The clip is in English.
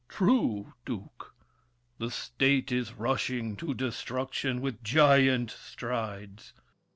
True, Duke! The State is rushing to destruction With giant strides!